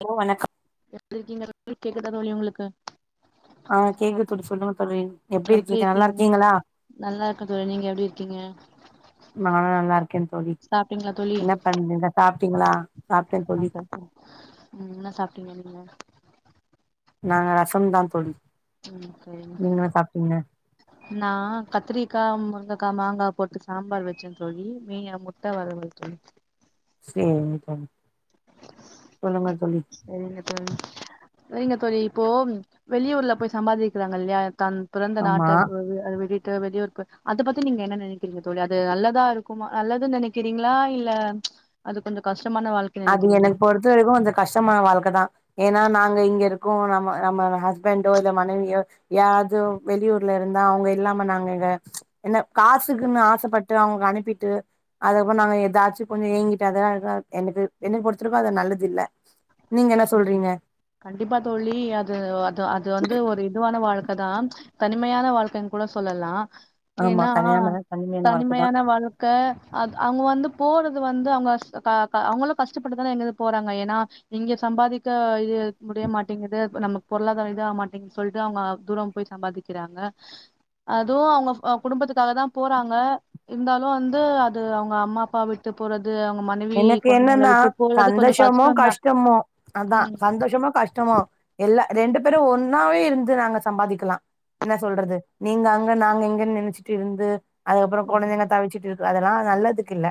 [unintelligible] வணக்கம் எப்டி இருக்கீங்க [inaudible] கேக்குதா தோழி உங்களுக்கு ஆஹ் கேக்குத் தோழி சொல்லுங்க தோழி எப்டி நல்லா இருக்கீங்க இருக்கீங்களா நல்லா இருக்க தோழி நீங்க எப்டி இருக்கீங்க நானு நல்லா இருக்கே தோழி சாப்ட்டீங்ளா தோழி என்ன பண்றீங்க சாப்ட்டீங்களா சாப்ட்டே தோழி உம் என்ன சாப்ட்டீங்க நீங்க நாங்க ரசம்தா தோழி நீங்களு சாப்ட்டீங்க நா கத்திரிக்கா மு முருங்கக்கா மாங்கா போட்டு சாம்பார் வச்ச தோழி மீ அ முட்ட வருவல் தோழி சேரிங்க தோழி சொல்லுங்க தோழி செரிங்க தோழி செரிங்க தோழி இப்போ வெளியூர்ல போய் சம்பாதிக்கிறாங்க இல்லையா தன் பிறந்த ஆமா நாட்ட வ விட்டுட் டு வெளியூர்க்கு அதப் பத்தி நீங்க என்ன நெனக்கிறீங்க தோழி அது நல்லதா இருக்குமா நல்லது நெனக்கிறீங்களா இல்ல அது கொஞ்சொ கஷ்டமான வ அது எனக் பொறுத்த வரைக்கு கொஞ்சொ கஷ்டமான வாழ்க்க தா ஏன்னா நாங்க இங்க இரு க்கோ நம்ம நம்ம ஹஸ்பண்டோ இல்ல மனைவியோ யாராது வெளியூர்ல இருந்தா அவுங்க இல்லாம நாங்க எங்க என்ன காசுக்குன்னு ஆசப்பட்டு அவுங்க அனுப்பிட்டு அதுக்கப்றோ நாங்க ஏதாச்சு கொஞ்சொ ங்கிட்டு அதா அழுக எனக்கு என்னை பொருத்தளக்கு அது நல்லதில்ல உம் கண்டிப்பா தோழி அது அது அது வந்து ஒரு இதுவான வாழ்க் கதா தனிமையான வாழ்க்கன் கூட சொல்லலா ஆமா ஏன்னா கல்யாணம்னா வாழ்க்கதா தனிமையான வாழ்க்க அத் அவுங்க வந்து போறது வந்து அவுங்க அஸ் க க அவுங்களு கஷ்டப்பட்டுதான இங்கேருந்து போறாங்க ஏன்னா இங்க சம்பாதிக்க இது முடிய மாட்டேங்கிது நமக்கு பொருளாதாரொ இதாக மாட்டேங் சொல்ட்டுதா அவுங்க தூரம் போய் சம்பாதிக்கிறாங்க அதுவு அவுங்க அ குடும்பத்துக்காக தா போறாங்க இருந்தாலு வந்து அது அவுங்க அம்மா அப்பா விட்டு போற து அவுங்க மனைவி எனக்கு கொழந்தங்கள என்னன்னா விட்டு போறது கொஞ்சோ சந்தோஷமோ கஷ்டோந்தா கஷ்டமோ அதா சந்தோஷமோ கஷ்டமோ எ இல்ல ரெண்டு பேரு ஒன்னாவே இருந்து நாங்க சம்பாதிக்கலா என்ன சொல்றது நீங்க அங்க நாங்க இங்கன்னு நெனச்சிட்டு இருந்து ம் அதுக்கப்றோ [unintelligible] தவிச்சிட்டு அதெல்லா நல்லதுக்கில்ல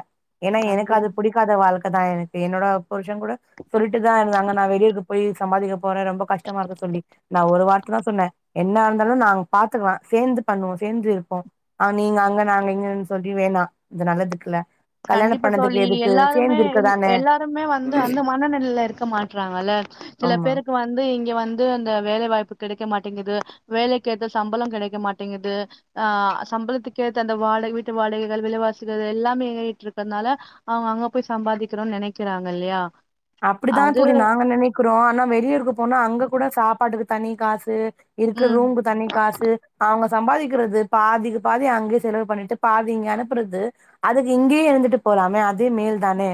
ஏன்னா கண்டிப் எனக்கு அது வாழ்க்கதா எனக்கு என்னோட புருஷங் கூட சொல்லிட்டுதா இருந்தாங்க நா வெளியூருக்கு போய் சம்பாதிக்க போறே ரொம்ப கஷ்டமா இருக்கு சொல்லி நா ஒரு வார்த்ததா சொன்ன என்ன இருந்தாலு நாங்க பாத்துக்குலா சேந்து பண்ணுவோ சேந்து இருப்போ அ நீங்க அங்க நாங்க இங்கன் சொல்லி வேணா இது நல்லதுக்கில்ல கல்யாணம் கண்டிப்பா பண்ணதுக் தோழி எதுக் எல்லாருமே எல் எல்லாருமே வந்து அந்த மனநிலைல இருக்க மாட்றாங்கல்ல சில ஆமா பேருக்கு வந்து இங்கெ வந்து அந்த வேலை வாய்ப்பு கெடைக்க மாட்டேங்குது வேலைக்கேத்த சம்பளொ கெடைக்க மாட்டேங்குது ஆஹ் சம்பளத்துக்கேத்த அந்த வாட வீட்டு வாடகைகள் விலைவாசிகள் எல்லாமே ஏ றிட்ருக்கனால அவுங்க அங்க போய் சம்பாதிக்கிறோன் நெனக்கிறாங்க இல்லையா அப்டிதா அது தோழி நாங்க நெனக்கிறோ ஆனா வெளியூருக்கு போனா அங்க கூட சாப்பாட்டுக்கு தனி காசு இருக்குற ம் ரூம்க்கு தனி காசு அவுங்க சம்பாதிக்கிறது பாதிக்கு பாதி அங்கயே செலவு பண்ணிட்டு பாதி இங்க அனுப்புறது அதுக்கு இங்கயே இருந்துட்டு போலாமே அதே மேல் தானே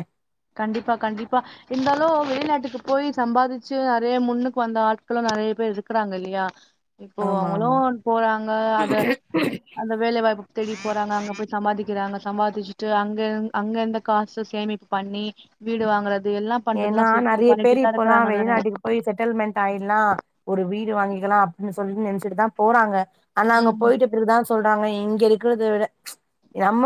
கண்டிப்பா கண்டிப்பா இருந்தாலு வெளிநாட்டுக்கு போய் சம்பாதிச்சு அதே முன்னுக்கு வந்தா ஆட்களு நறைய பேர் இருக்குராங்க இல்லையா இப்போ ஆமா அவங்களு ஆமா போறாங்க அத அந்த வேலைவாய்ப்புக்கு தேடி போறாங்க அங்க போய் சம்பாதிக்கிறாங்க சம்பாதிச்சுட்டு அங்க அங்க எந்த காசு சேமிப் பண்ணி வீடு வாங்கறது ஏன்னா நறைய பேர் இப்பல்லா தானே வெளிநாட்டுக்கு போய் செட்டில்மெண்ட் ஆயிடலா ஒரு வீட் வாங்கிக்கிலா அப்பிடின்னு சொல்லி நெனச்சிட்டு தா போறாங்க ஆனாங்க ம் போயிட்ட பிறகுதா சொல் அவங்க இங்க இருக்கிறத விட ம்ச் நம்ம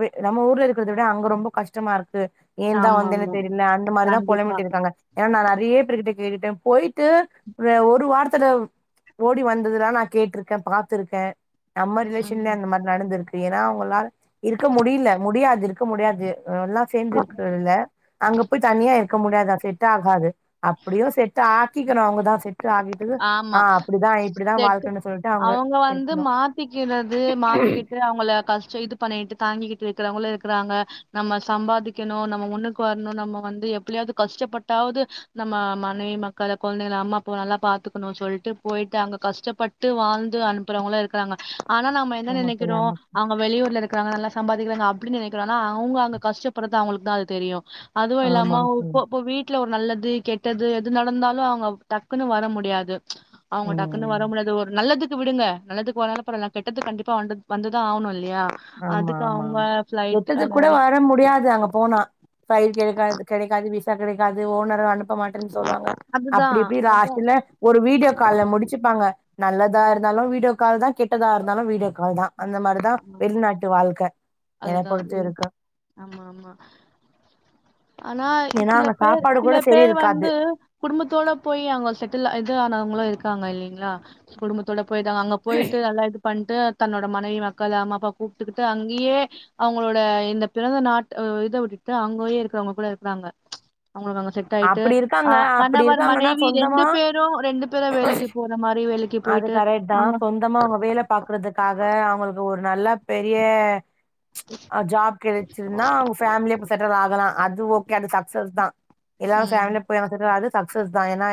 வி நம்ம ஊர்ல இருக்கிறத விட அங்க ரொம்ப கஷ்டமா இருக்கு ஏன் தா ஆமா வந்தேன்னு ஆமா தெரி அந்த மாரி தா கண்டிப்பா பொலம்பிட்டு இருக்காங்க ஏன்னா நா நறைய பே பேருகிட்ட கேட்டுட்டே போயிட் விட்டு ஒரு ஒரு வாரத்துல ஓடி வந்ததுல்லா நா கேட்டிருக்கே பாத்துருக்கே நம்ம ம் ரிலேஷன்லயு அந்த மாரி நடந்து இருக்கு ஏன்னா அவங்களா இருக்க முடியல முடியாது இருக்க முடியாது எல்லா சேந்திருக்துல்ல அங்க போய் தனியா இருக்க முடியாத செட் ஆகாது அப்டியோ செட் ஆக்கிக்கணோ அவங்கதா செட் ஆகிட்டு ஆமா ஆ அப்டிதா இப்டிதா செட் வாழ்க்கன்னு சொல்லிட்டு அவங்க வந்து இருக்கணு மாத்திக்கிறது மாத்திக்கிட்டு அவங்கள கஷ்டோ இது பண்ணிட்டு தாங்கிக்கிட்டு இருக்கிறவங்கள இரு இருக்குறாங்க நம்ம சம்பாதிக்கணு நம்ம முண்ணுக்கு வரணு நம்ம வந்து எப்பலயாவது கஷ்டப்பட்டாவது நம்ம மனைவி மக்கள கொழந்தைகள அம்மா அப்பா நல்லா பாத் எடுத்துக்கணு சொல்ட்டு போயிட்டு அங்க கஷ்டப்பட்டு வாழ்ந்து அனுப்புறவங்களா இருக்கிறாங்க ஆனா நாம்ம என்ன ஆமா தோழி நெனைக்கிறோ ஆமா அவங்க வெளியூர்ல இருக்கிறாங்க நல்லா சம்பாதிக்கிறாங்க அப்பிடி நெனைக்கிறோ ஆனா அவங்க அங்க கஷ்டப்படுறது அவங்களுக்கு தா அது தெரியு அதுவு இல்லாம ஆமாங்க தோழி இப்ப இப்ப வீட்டுல நல்லது கெட்டது எது நடந்தாலு அவங்க டக்குன்னு வர முடி கிடையாது அவுங்க டக்குன்னு வர ம் முடியாது அது ஒரு நல்லது நல்லது விடுங்க நல்லது வரலான பரவால்ல கெட்டது கண்டிப்பா வண்டு வந்துதா ஆகணு இல் ஆமா ஆமா ஆமா கெட்டதுக்கு அந்த கூட வர முடியாது அங்க போனா ஃபைல் கெடைக்காது கெடைக்காது விஸ் விசா கெடைக்காது ஓனரு அனுப் ப மாட்டேன் சொல்லுவாங்க அதுதா அப்டி இப்டி அதா ராத்ரில ஒரு வீடியோ கால்ல முடிச்சுப்பாங்க நல்லதா இரு ந்தாலு வீடியோ கால் தா கெட்டதா இருந்தாலு வீடியோ கால் தா அந்த மாரிதா வெளிநாட்டு வாழ்க்க என்ன அதுதா பொறுத்த உம் வரைக்கு ஆமா ஆமா ஆனா ஆ ஏன்னா சில அங்க பேர் சாப்பாடு சில கூட சரி பேரு வந்து இருக்காது குடும்பத்தோட போய் அங்க செட்டில் ஆய்ந் டு ஆனவ்ங்களு இருக்காங்க இல்லைங்ளா குடும்பத்தோட போய்டாங்க அங்க போயிட்டு அல்லா இது பண்ட்டு தன்னோட மனைவி மக்கள் அம்மாப்பா கூப்டுக்கிட்டு அங்யே அவ்ங்களோட இந்த பிறந்த நாட் அ இத விட்டுட்டு அங்கோயே இருக்றவ்ங்க கூட இருக்றாங்க ப்ச் அவ்ங்களுக்கு அங்க செட் ஆயிட்டு அப்படி இருக்காங்க. ஆஹ் அப்படி கணவர் இருக்காங்கன்னா, மனைவி சொந்தமா ரெண்டு பேரு ரெண்டு பேரு வேலக்கி போற மாரி வேலக் அது கரெட்தா சொந்தமா அவ வேல பாக்குறதுக்காக அவ்ங்களுக்கு ஒரு நல்லா பெரிய ப்ச் ஜாப் கெடச்சிருனா அவ்ங்க ஃபேம்லியா இப்ப செட்டில் ஆகலா அது ஓகே அந்த சக்சஸ் தா எல்லாரு ம். ஃபேம்லியா போய் அங்க செட்டில் ஆது சக்சஸ் தா ஏனா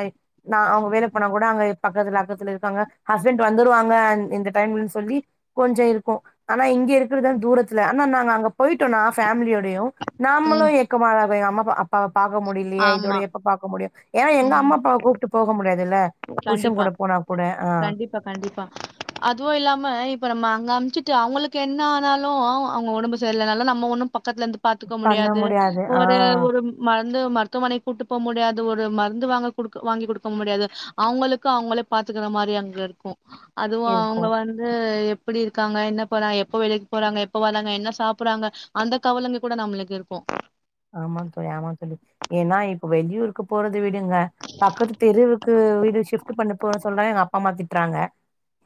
நா அவ்ங்க வேல போனா கூட அங்க இப் பக்கத்துல அக்கத்துல இரு க்காங்க ஹஸ்பண்ட் வந்துருவாங்க அந் இந்த டைம்லன்னு சொல்லி கொஞ்சோ இருக்கு நா இங்கே இருக்கிறதுதா தூரத்துல இன்னு நாங்க அங்கப் போயிட்டோ நா ஃபேமிலியோடையு நாமளு ம். ஏக்கமா அது அம்மப்பா பாவ பாக்க முடியலயே இதோட ஆமா. எப்ப பாக்க முடியு ஏனா எங்க ம். அம்மாப்பாவ கூப்ட்டு போக முடியாது துல்ல கண்டிப்பா. புருஷங்கூட போனா ஆ கண்டிப்பா கண்டிப்பா அதுவு இல்லாம இப்ப நம்ம அங்க சம்ச்சுட்டு அவ்ங்களுக்கு என்ன ஆனாலு அவ்ங்க ஒடம்பு சரிய்லனாலு நம்ம ஒன்னு பக்கத்ல இருந்து பாத்துக்க பண்ண முடியாது ஆ ஒரு ஒரு மரு ந்து மருத்துவமனைக்கு கூட்டு போ முடியாது ஒரு மருந்து வாங்க குடுக்க வாங்கி குடுக்க முடியாது அவ்ங்களுக்கு அவ்ங்களே பாத் துக்கிற மாரி அங்க இருக்கு அதுவு இருக்கு அவ்ங்க வந்து எப் ப்டி இருக்காங்க என்ன போறா எப்ப வேலைக்கு போறாங்க எப்ப வர்ராங்க என்ன சாப்ட்றாங்க அந்த கவலைங்க கூட நம்மளுக்கு இருக்கு ஆமாந் தோழி ஆமாந் தோழி ஏனா இப்ப வெளியூருக்கு போறது து விடுங்க பக்கத்து தெருவுக்கு வீடு ஷிப்ட்டு பண்ண போற சொ சொல்ற எங்க அப்பா அம்மா திட்றாங்க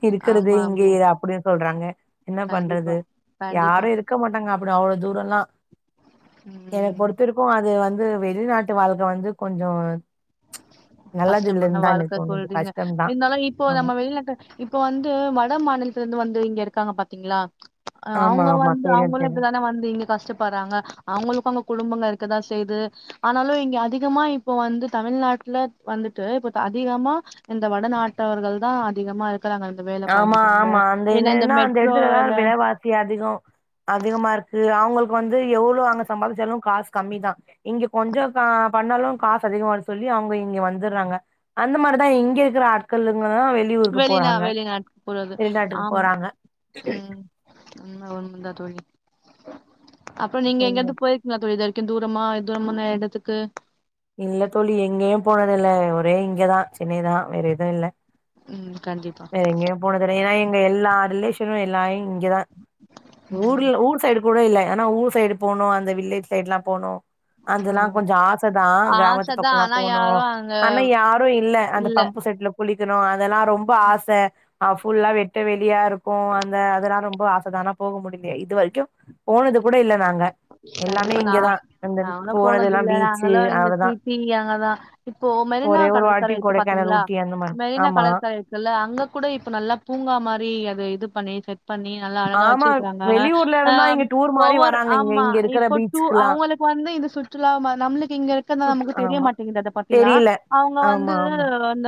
இருக்குறது ஆமா இங்கே ஆமா அப்டின் சொல்றாங்க என்ன கண்டிப்பா பண்றது கண்டிப்பா யாரு இருக்க மாட்டாங்க அப் ப்டி அவ்ளோ தூரல்லா எனக்கு ம் பொருத்திருப்பு அது வந்து வந்து வெளிநாட்டு வாழ்கை வந்து கொஞ்சோ நல்லது கஷ்டமான இல்லன்னு தா எனக்கு வாழ்க்கை தோணுது சொல்றீங்க, கஷ்டம்தா என்னால இப்போ ஆமா நம்ம வெளிநாட்டு, இப்ப வந்து வட மாநிலத்துல இந்து வந்து இங்க இருக் இருக்காங்கபாத்தீங்களா ஆமா ஆமா அவுங்கவந்து தெரியு தெரியு அவுங்களோ இப்படித்தானே வந்தீங்க, கஷ்டப்படுறாங்க அவங்களுக்கும் அங்க குடும்பங்க இருக்கதா செய்து. ஆனாலும் இங்க அதிகமா இப்ப வந்து தமிழ்நாட் இல்ல வந்துட்டு இப்ப அதிகமா இந்த வடநாட்டவர்கள் தா அதிகமா இருக் ஆமாஆமா அந்த என் இந்த னன்னா அந்த மெட்ரோ இடத்துலதா வேலை விலைவாசி அதிகோ அதிகமா இருக்கு, அவுங்களுக்கு வந்து எவ்வளவு அங்க சம்பாதிச்சாலும் காசு கம்மிதான். இங்க கொஞ்சம் கா பண்ணாலும் காசு அதிகமாசொல்லி அவுங்க இங்க வந்துடுறாங்க. அந்த மாரிதா இங்க இருக்குற ஆட்கள். அதா வெளியூருக்கு போறாங்க. வெளிநாடு போறது வெளிநாட்டுக்கு ஆம் போறாங்க ம் உண்மை தான் தோழி ஆ [inaudible] அப்போநீங்க சொல்லுங்க இங்கிருந்து போயிருக்கிங்களா இதுவரைக் ந்தூரமா தூரமான்ன எடத்துக்கு இல்ல தோழி எங்கேயும் போனது இல்ல, ஒரே இங்கதா சென்னைதான் வேறஎதுவு இல்ல. ம். கண்டிப்பா. எங்கையும் போனதுல ஏன்னா இங்க எல்லா ரிலேஷன்னோ எல்லா இங்கதான், ம். ஊர்ல ஊர் சைடு கூட இல்ல, ஆனா ஊர் சைடு போனும், அந்தவில் லேஜ்சைடு எல்லாம் போனும், ஆ. அதெல்லாம் கொஞ்சம் ஆசை தான். ஆச கிராமத்து தான். பக்கல்லா ஆனா போணோ. யாரும் அங்க ஆனா யாரும் இல்ல அந்த பம்புசெட்ல குளிக் சுத்தனோ அதெல்லா ரொம் ரொம்பஆசை ஃபுல்லா வெட்டு வேலையா இருக்கும், அந்த அதெல்லாம் ரொம்ப ஆசதான்ஆனாபோக முடியல, இது வரைக்கோ போனது கூட இல்ல நாங்க. எல்லாமே கண்டிப்பா இங்கதா நான் அந்த நாங்க போனதெல்லா போனதில்லை, பீச்சு நாங்கல்லாம் இங்க அவ்ளதா சீட்டி, அங்கதான் இப்போ மெரினா ஒரே ஒரு வாட்டி கடற்கரை இருக்கு கொடைக்கானல் பாத்தீங்களா ஊட்டி அந்த மாரி மெரினா ஆமா கடற்கரை இருக்குல்ல அங் அங்க கூட இப்ப நல்லா பூங்காமாரி அது இது பண்ணிட்டு பண்ணிநல்லா அழகா ஆமா வெச்சிருக்கிறாங்க வெளியூர்ல ஆ இருந்தா இங்க டூர் மாரி ஒவ்வொரு வராங்க ஆமா இங்க ஆமா, இங்க இருக்கிற இப்ப டூர் பீச்சுக்குல்லா அவுங்களுக்கு வந்துஇது சுற்றுலாமா, நம்மளுக்கு இங்க இருக்குத சுற்று நமக்கு தெரிய ஆமா மாட்டேங்குது அத பத்திலா தெரில அவுங்க வந்து ஆமா ஆமா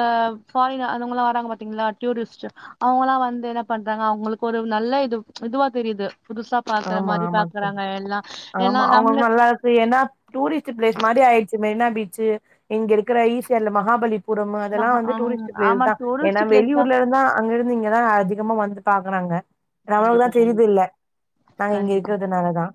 அ பாரின அவங்கல்லாம் வராங்கபாத்தீங்களா டூரிஸ்ட் அவுங்கல்லாம் வந்து என்ன பண்றாங்க அவங்களுக்கு ஒரு நல்லது இதுவா தெரியுது புதுசாபாக்குற ஆமா மாதிரி ஆமா பாக்குறாங் தோழி ஆமா, அவுங்க நல்லா இருக்கு ஏன்னா டூரிஸ்ட் பிளேஸ் மாரி ஆயிடுச்சு, மெரினா பீச்சு இங்கஇருக்கிற ஈசிஆர்ல மகாபலி புரம் அதெல்லாம் மஹா வந்து, ஆ டூரிஸ்ட் ஆமா பிளேஸ்தா, ஏன்னா டூரிஸ்ட் பிளேஸ் தா வெளியூர்ல இருந்துதான் அங்க இருந்து இங்கதான் அதிகமா வந்து பாக்றாங்க நம்மளுக்குதா கண்டிப்பா கண்டிப் தெரிது இல்ல நாங்க இங்க கண்டிப்பா இருக்கிறதுனாலதா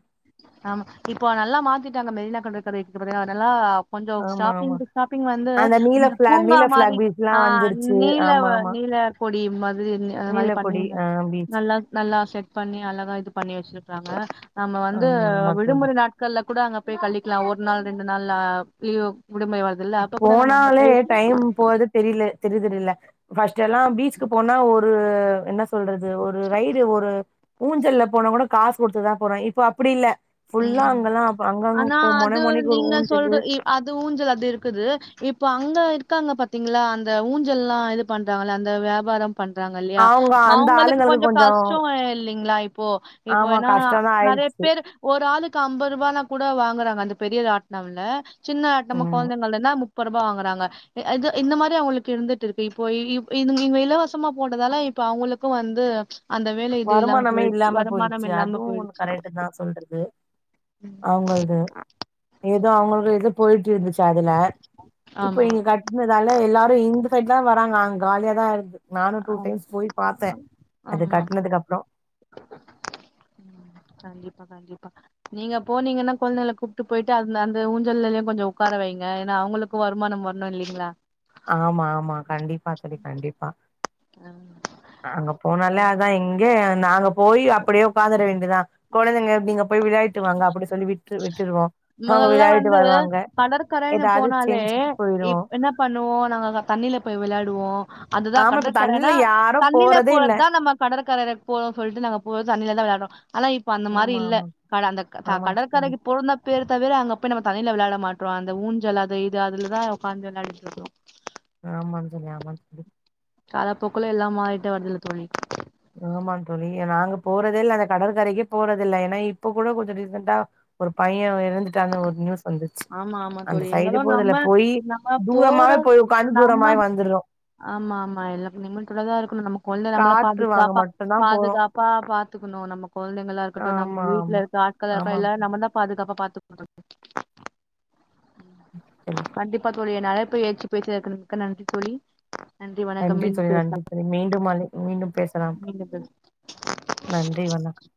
ஆமா இப்போ நல்லா மாத்திட்டாங்க மெரினா கடற்கரை [unintelligible] கொஞ்சோ ஆமா ஆமா ஸ்டாப்பிங்கு ஸ்டாப்பிங் வந்து நீல அந்த பிளாக் பூங்கா நீல மாரி பிளாக் பீச்ல்லா ஆ வந்துருச்சு நீல ஆமா ஆமா நீல பொடி மாதிரி அது மாதிரி நீலக்கொடி ஆ பண்ணிருந்தாங்க பீச் நல்லா நல்லா செட் பண்ணி அழகா இது பண்ணி வச்சிருக்கறாங்க நம்ம வந்து ஆமா ஆமா தோழி விடுமுறை நாட்கள்ல கூட அங்க போய் களிக் ஒரு நாள் ரெண்டு நாள்ல [unintelligible] போனாலே டைம் போரது தெரியல தெரியுதுரில ஃபர்ஸ்ட் எல்லாம் பீச்கு போனா ஒரு என்ன சொல்றது ஒரு ரய்டு ஒரு ஊஞ்சல போனா கூட காசு கொடுத்துதான் போறேன் இப்போ அப்டி இல்ல ஃபுல்லா ம் அங்கெல்லா ஆனா அங்கங்க மொனை அது மொனைக்கு ஒரு நீங்க ஊஞ்சலு சொல்ற இ அது ஊஞ்சல் அது இரு இருக்குது இப்ப அங்க இருக்காங்க பாத்தீங்களா அந்த ஊஞ்சல்லா இது பண்றாங்கள அந்த வியாபாரம் பண்றாங்க இல்லையா அவங்க அந்த அவங்களுக்கு ஆளுங்களுக்கு கொஞ்சம் கொஞ்சோ கஷ்டம் இல்லைங்களா இப்போ இப்போ ஆமா ஏன்னா கஷ்டந்தா நிறைய ஆயிடுச்சு பேர் ஒரு ஆளுக்கு ஐம்பது ரூபானா கூட வாங்குறாங்க அந்த பெரியராட்னம்ல சின்ன நம்ம ம் குழந்தைங்கள்த மு முப்பருபா வாங்குறாங்க இது இந்த மாரி அவங்களுக்கு இருந்துட்டு இருக்கு இப்போ இ இங்க இலவசமா போட்டதால இப்ப அவங்களுக்கும் வந்து அந்த வேலை இது இல்லாம வருமானமே போயிடுச்சு இல்லாம வருமானம் போயிடுச்சு இல்லாம அதுவும் ஒன்னு போயிடுச்சு கரெக்ட் தான் சொல்றன் து அவங்கள்து ஏதோ அவங்களுக்கு எது போயிட்டு இருந்துச்சு அதுல இப்ப ஆமா இங்க கட்டினதால எல்லாரும் இந்த சைட்லாம் வராங்க அங்க காலிய தான் இருக்து நானும் டூ ஆமா டைம்ஸ் போய் ஆ பாத்தேன் அது ஆமா கட் கண்டிப்பா கண்டிப்பா பா நீங்க போனீங்கன்னா கொழந்தைகல கூப்ட்டு போயிட்டு அந்த அந்த ஊஞ்சலயும் கொஞ்சம் உட்கார வைங்க ஏன்னா அவங்களுக்கும் வருமானம் வரணும் இல்லிங்களா ஆமா ஆமா கண்டிப்பா சரி கண்டிப்பா ம்ம் அங்க போனாலே அதான் எங்க கெ நாங்க ப் போய் அப்படியே உட்காந்துர வேண்டியதான் கொழந்தைங்க நீங்க போய் விளையாட்டு வாங்க அப்டி சொல்லி விட்டு விட்டு மொதல்லா வந்து கடற்கரைன்னு ஏதாவது போனாலே செஞ்சுட்டு போயிருவோ இப் என்ன பண்ணுவோ நாங்க தண்ணியில போய் விளையாடுவோம் அதுதான் ஆமா இப்ப தண்ணில கடற்கரைனா யாரு தண்ணில போறதே இல்ல போறதுதான் நம்ம கடற்கரைையக்கு போகோம் சொல்லிட்டு நாங்க போ தண்ணியில தான் விளையாடுறோம் ஆனா இப்ப அந்த மாரி ஆமா இல்ல ஆமா கட அந்த ஆமா தோழி கடற்கரைக்கு போறத்னா பேர் தவிர அங்க போய் நம்ம தண்ணில விளாட மாட்றோ அந்த ஊஞ்சல் அது இது அதுலதான் உட்காந்து விளாடிட்டு இருக்கோம் ஆமா தோழி ஆமா தோழி காலப்போக்ல எல்லாம் மாறிட்டு வருதுல தோழி ஆமான் தோழி நாங்க போறதே இல்ல அந்த கடற்கரைக்கே போறத இல்ல ஏன்னா இப்ப கூட கொஞ்சம் ரீசன்டா ஒரு பையன் இறந்துட்டா அந்த ஒரு நியூஸ் வந்துச்சு ஆமா ஆமா அந்த தோழி சைடு இருந்தாலு நம்ம போதுல போய் நம்ம போற தூரமாவே போய் உக்காந்து நம்ம தூரமாவே வந்துறோ ஆமா ஆமா எல்ல லிமிட்டோட தா இருக்கணு நம்ம கொழந்தைய நம்மளா பாத் காற்று [unintelligible] வாங்க பா மட்டுந்தா போறோ பாதுகாப்பா பாத்துக்கணு நம்ம கொழந்தைங்களா இருக்கட்டு ஆமா நம்ம வீட்டுல ஆமா இருக்க ஆட்களா ஆமா இருக்க எல்லாரு நம்ம தா பாதுகாப்ப பாத்துக் தோழி [inaudible] கண்டிப்பாத் தோழி என் அழைப்பை ஏச்சு பேசியதுக்கு மிக்க நன்றி தோழி வணக்கம் நன்றி மீண்டும் தோழி நன்றி பேசலாம் தோழி மீண்டும் அழை மீண்டும் பேசலாம் மீண்டும் பேச நன்றி வணக்கம்